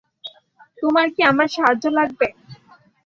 তোমার কি আমার সাহায্য লাগবে?